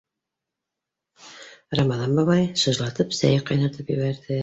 Рамаҙан бабай шыжлатып сәй ҡайнатып ебәрҙе.